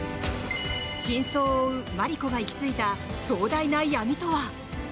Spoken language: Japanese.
真相を追うマリコが行き着いた壮大な闇とは？